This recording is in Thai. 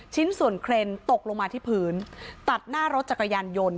ชิ้นส่วนเครนตกลงมาที่พื้นตัดหน้ารถจักรยานยนต์